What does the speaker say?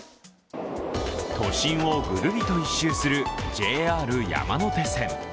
都心をぐるりと１周するＪＲ山手線。